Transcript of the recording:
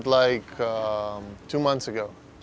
tidak ada masalah